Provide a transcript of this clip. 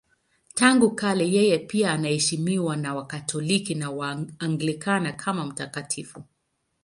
Tangu kale yeye pia anaheshimiwa na Wakatoliki na Waanglikana kama mtakatifu.